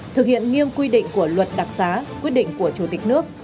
thực hiện nghiêm quy định của luật đặc giá quyết định của chủ tịch nước